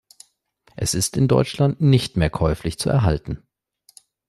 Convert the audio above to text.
Es ist in Deutschland nicht mehr käuflich zu erhalten.